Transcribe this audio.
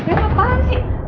ya apaan sih